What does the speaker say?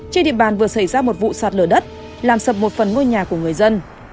trên địa bàn vừa xảy ra một vụ sạt lở đất làm sập một phần ngôi nhà của người dân